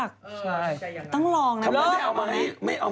กระเทียมสด